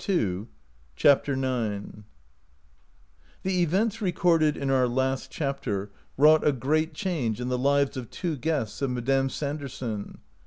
T24 CHAPTER IX THE events recorded in our last chapter wrought a great change in the lives of two guests of Madame Sanderson.